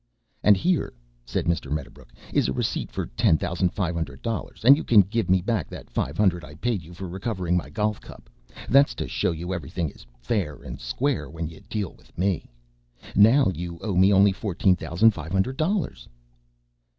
"And here," said Mr. Medderbrook, "is a receipt for ten thousand five hundred dollars, and you can give me back that five hundred I paid you for recovering of my golf cup. That's to show you everything is fair and square when you deal with me. Now you owe me only fourteen thousand five hundred dollars."